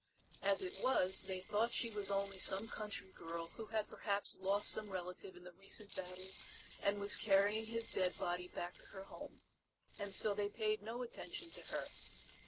As it was they thought she was only some country girl who had perhaps lost some relative in the recent battle and was carrying his dead body back to her home. And so they paid no attention to her.